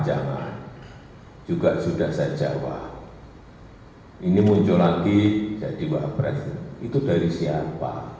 juga sudah saja wah ini muncul lagi jadi wakil presiden itu dari siapa